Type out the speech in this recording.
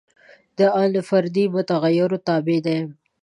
دا ان فردي متغیرونو تابع دي.